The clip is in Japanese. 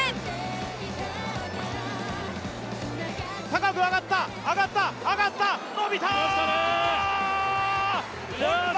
高く上がった、上がった、伸びた！